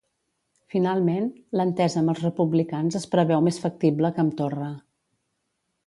Finalment, l'entesa amb els republicans es preveu més factible que amb Torra.